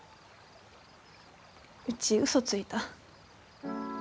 うちウソついた。